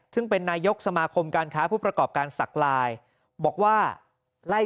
ซึ่งเป็นนายกสมาคมการค้าผู้ประกอบการสักลายบอกว่าไล่